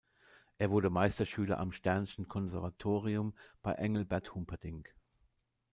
Er wurde Meisterschüler am Stern’schen Konservatorium bei Engelbert Humperdinck.